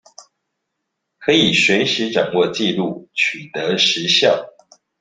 可以隨時掌握紀錄取得時效